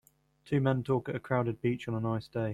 Two men talk at a crowded beach on a nice day.